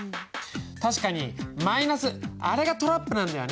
確かにマイナスあれがトラップなんだよね。